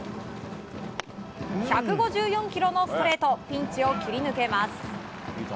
１５４キロのストレートピンチを切り抜けます。